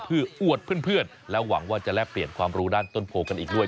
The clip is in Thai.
เพื่ออวดเพื่อนและหวังว่าจะแลกเปลี่ยนความรู้ด้านต้นโพกันอีกด้วย